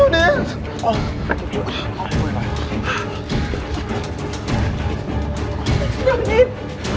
ดูนิทดูนิท